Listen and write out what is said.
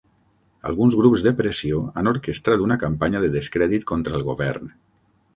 Alguns grups de pressió han orquestrat una campanya de descrèdit contra el govern.